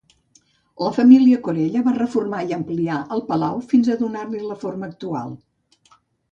La família Corella va reformar i ampliar el palau fins a donar-li la forma actual.